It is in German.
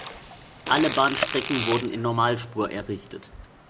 Alle Bahnstrecken wurden in Normalspur errichtet.